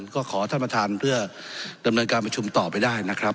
ก็ขอท่านประธานเพื่อดำเนินการประชุมต่อไปได้นะครับ